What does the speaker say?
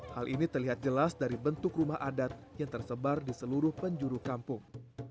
hal ini terlihat jelas dari bentuk rumah adat yang tersebar di seluruh penjuru kampung